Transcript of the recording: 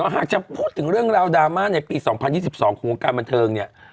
หากจะพูดถึงเรื่องราวดราม่าในปี๒๐๒๒ของวงการบันเทิงเนี่ย